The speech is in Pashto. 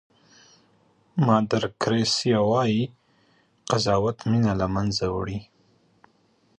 مادر تریسیا وایي قضاوت مینه له منځه وړي.